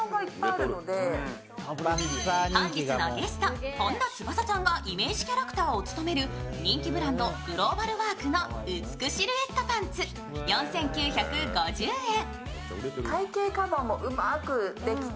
すると本日のゲスト、本田翼さんがイメージキャラクターを務める人気ブランド・グローバルワークのウツクシルエットパンツ４９５０円。